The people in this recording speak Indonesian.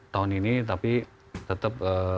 tahun ini tapi tetap